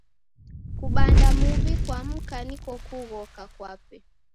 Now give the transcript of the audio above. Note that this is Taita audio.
Kubanda muw'i kwa mka niko kughoka kwape.